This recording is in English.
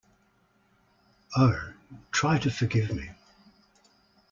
Oh, try to forgive me!